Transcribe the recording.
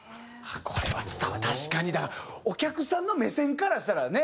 これは伝わらない確かにだ。お客さんの目線からしたらね。